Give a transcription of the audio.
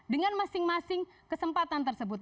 dengan masing masing kesempatan tersebut